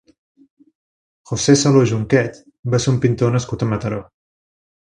José Saló Junquet va ser un pintor nascut a Mataró.